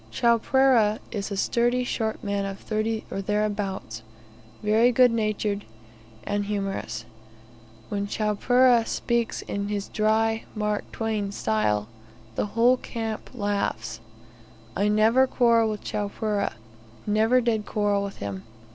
Chowpereh is a sturdy short man of thirty or thereabouts; very good natured, and humorous. When Chowpereh speaks in his dry Mark Twain style, the whole camp laughs. I never quarrel with Chowpereh, never did quarrel with him.